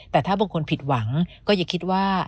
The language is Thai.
แต่ถ้าบางคนผิดหวังก็อย่าคิดว่า